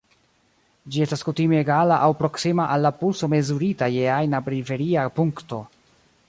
Ĝi estas kutime egala aŭ proksima al la pulso mezurita je ajna periferia punkto.